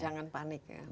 jangan panik ya